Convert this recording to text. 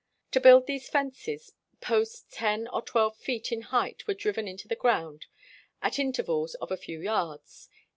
To build these fences posts ten or twelve feet in height were driven into the ground at in tervals of a few yards.